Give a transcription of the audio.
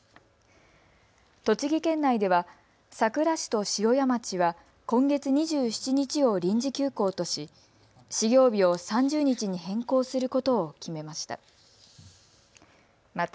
栃木県内では、さくら市と塩谷町は今月２７日を臨時休校とし始業日を３０日に変更することを決めました。